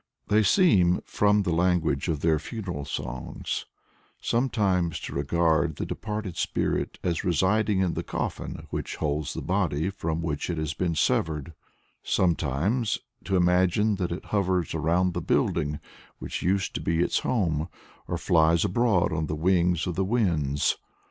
They seem, from the language of their funeral songs, sometimes to regard the departed spirit as residing in the coffin which holds the body from which it has been severed, sometimes to imagine that it hovers around the building which used to be its home, or flies abroad on the wings of the winds.